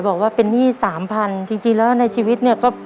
บอกว่าเป็นหนี้สามพันจริงแล้วในชีวิตเนี่ยก็